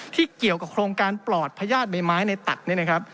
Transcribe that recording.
ที่เกี่ยวกับโครงการปลอดพญาติใบไม้ในตัดนี่นะครับ